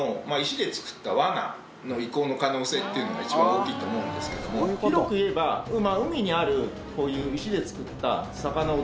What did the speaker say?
可能性っていうのが一番大きいと思うんですけども広く言えば海にあるこういう。